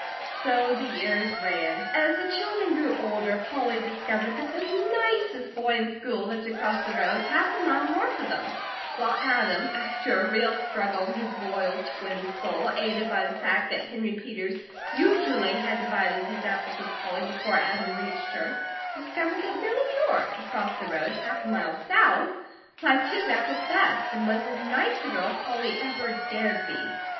So the years ran. As the children grew older, Polly discovered that the nicest boy in school lived across the road half a mile north of them; while Adam, after a real struggle in his loyal twin soul, aided by the fact that Henry Peters usually had divided his apples with Polly before Adam reached her, discovered that Milly York, across the road, half a mile south, liked his apples best, and was as nice a girl as Polly ever dared to be.